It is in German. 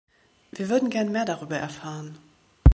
Wir würden gern mehr darüber erfahren.